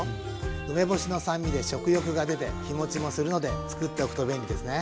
梅干しの酸味で食欲が出て日もちもするのでつくっておくと便利ですね。